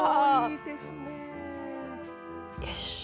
よし！